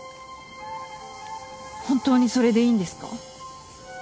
本当にそれでいいんですか？